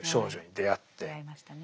出会いましたね。